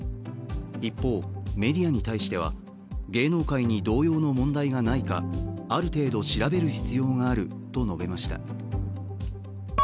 一方、メディアに対しては芸能界に同様の問題がないかある程度調べる必要があると述べました。